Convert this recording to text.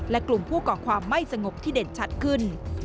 และกลุ่มผู้ก่อความไม่สงบที่เด่นชัดขึ้น